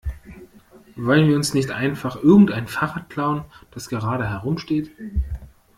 Wollen wir uns nicht einfach irgendein Fahrrad klauen, das gerade herumsteht?